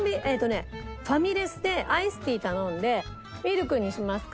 ファミレスでアイスティー頼んでミルクにしますか？